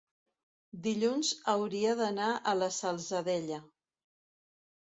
Dilluns hauria d'anar a la Salzadella.